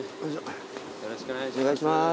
よろしくお願いします。